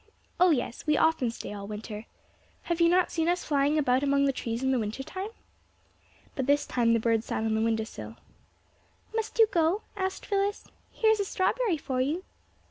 "Oh, yes, we often stay all winter. Have you not seen us flying about among the trees in the winter time?" By this time the bird sat on the window sill. "Must you go?" asked Phyllis. "Here is a strawberry for you."